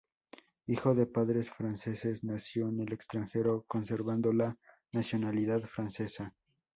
Hijo de padres franceses, nació en el extranjero, conservando la nacionalidad francesa.